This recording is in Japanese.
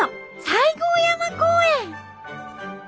西郷山公園。